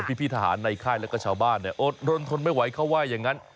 พี่ทหารในค่ายและก็ชาวบ้านโดนทนไม่ไหวเข้าไหว้อย่างนั้น